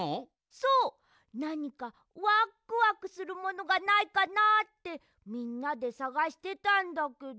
そうなにかワックワクするものがないかなってみんなでさがしてたんだけど。